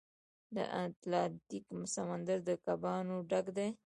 د اتلانتیک سمندر د کبانو ډک و.